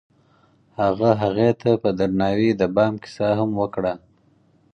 هغه هغې ته په درناوي د بام کیسه هم وکړه.